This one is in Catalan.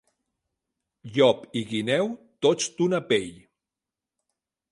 Llop i guineu, tots d'una pell.